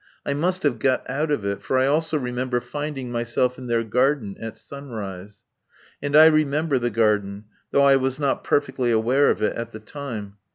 I must have got out of it, for I also remember finding myself in their garden, at sunrise. And I remember the garden, though I was not perfectly aware of it at the time.